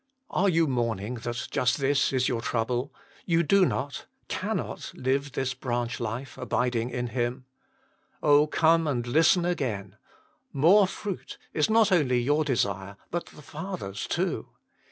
Are you mourning that just this is your trouble you do not, cannot, live this branch life, 66 THE MINISTRY OF INTERCESSION abiding in Him ? Oh ! come and listen again. " More fruit " is not only your desire, but the Father s too.